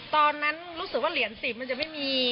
ตอนนั้นรู้สึกว่าเหรียญ๑๐มันจะไม่มี